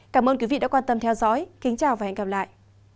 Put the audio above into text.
cảm ơn quý vị đã quan tâm theo dõi kính chào và hẹn gặp lại